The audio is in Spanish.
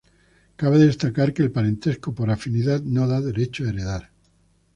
Cabe destacar que el parentesco por afinidad no da derecho a heredar.